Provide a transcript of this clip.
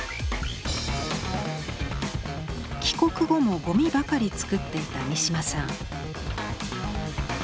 帰国後もゴミばかり作っていた三島さん。